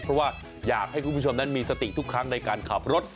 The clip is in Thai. เพราะว่าอยากให้คุณผู้ชมนั้นมีสติทุกครั้งในการขับรถ